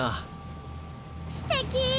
すてき！